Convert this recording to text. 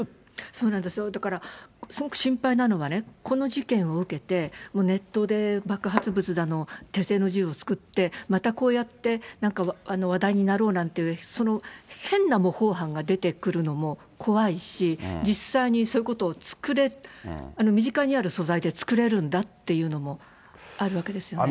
そうなんですよ、だからすごく心配なのはね、この事件を受けて、ネットで爆発物だの、手製の銃を作って、またこうやって、なんか話題になろうなんていう、変な模倣犯が出てくるのも怖いし、実際にそういうことを作れ、身近にある素材で作れるんだっていうのもあるわけですよね。